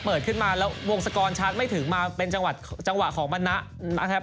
เปิดขึ้นมาแล้ววงศกรชาร์จไม่ถึงมาเป็นจังหวะจังหวะของบรรณะนะครับ